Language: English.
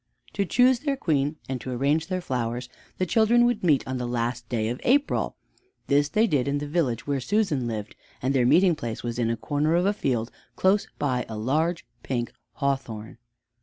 To choose their Queen and to arrange their flowers the children would meet on the last day of April. This they did in the village where Susan lived, and their meeting place was in a corner of a field close by a large pink hawthorn.